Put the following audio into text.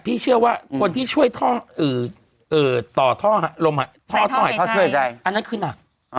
พี่เชื่อว่าคนที่ช่วยท่อต่อท่อลมท่อต่อยท่อช่วยใดอันนั้นคือหนัก